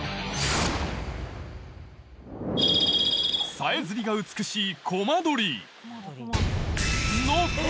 さえずりが美しいコマドリの卵！